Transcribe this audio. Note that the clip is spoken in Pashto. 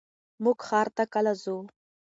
مونږ ښار ته کله ځو؟